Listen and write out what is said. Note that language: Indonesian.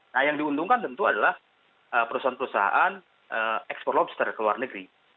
nah yang diuntungkan tentu adalah perusahaan perusahaan ekspor lobster ke luar negeri